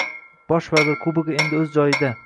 Bosh vazir kubogi endi o'z joyida